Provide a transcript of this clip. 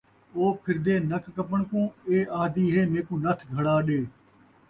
او پھردے نک کپݨ کوں، اے آہدی ہے میکوں نتھ گھڑا ݙے